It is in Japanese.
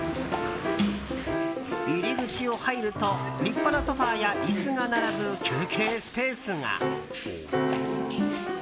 入り口を入ると立派なソファや椅子が並ぶ休憩スペースが。